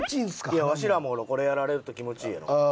いやわしらもこれやられると気持ちいいやろ？